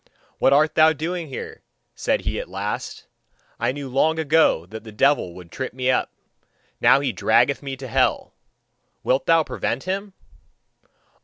"What art thou doing there?" said he at last, "I knew long ago that the devil would trip me up. Now he draggeth me to hell: wilt thou prevent him?"